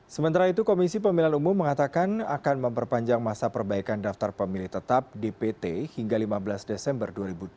sementara itu komisi pemilihan umum mengatakan akan memperpanjang masa perbaikan daftar pemilih tetap dpt hingga lima belas desember dua ribu delapan belas